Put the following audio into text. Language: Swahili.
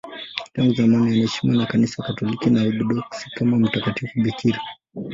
Tangu zamani anaheshimiwa na Kanisa Katoliki na Waorthodoksi kama mtakatifu bikira.